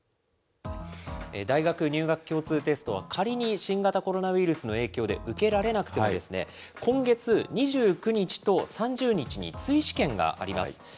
大学入学共通テストは、仮に新型コロナウイルスの影響で受けられなくても、今月２９日と３０日に追試験があります。